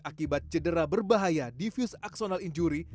akibat cedera berbahaya diffuse axonal injury